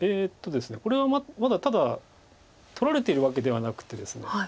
これはまだただ取られてるわけではなくてですね